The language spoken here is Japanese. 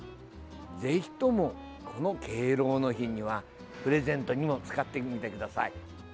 ぜひとも、敬老の日にはプレゼントにも使ってみてください。